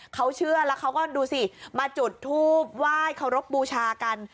เขาเชื่อแล้วเขาก็ดูสิมาจุดทูบไหว้เคารพบูชากัน